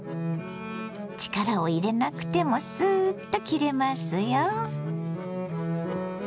力を入れなくてもスーッと切れますよ。